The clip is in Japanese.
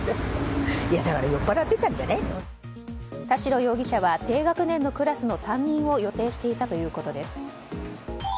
田代容疑者は低学年のクラスの担任を予定していたということです。